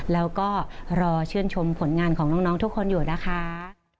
แล้วก็รอชื่นชมผลงานของน้องทุกคนอยู่นะคะ